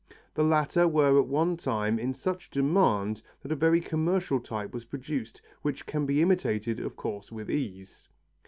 The latter were at one time in such demand that a very commercial type was produced which can be imitated, of course, with ease.